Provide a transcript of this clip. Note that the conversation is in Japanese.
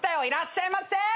いらっしゃいませ！